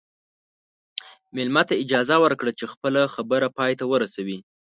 مېلمه ته اجازه ورکړه چې خپله خبره پای ته ورسوي.